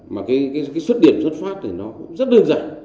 mà cái xuất điểm xuất phát thì nó cũng rất đơn giản